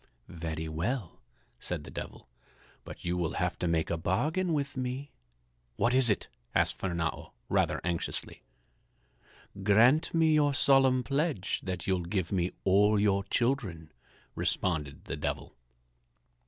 "Very well," said the Devil, "but you will have to make a bargain with me." "What is it?" asked Fernâo, rather anxiously. "Grant me your solemn pledge that you'll give me all your children," responded the Devil.